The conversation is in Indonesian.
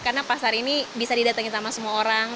karena pasar ini bisa didatangi sama semua orang